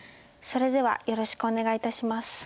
それではよろしくお願い致します。